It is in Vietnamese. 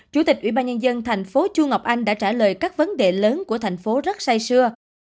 chủ tịch ủy ban nhân dân thành phố chu ngọc anh đã trả lời các vấn đề lớn của thành phố rất xay xưa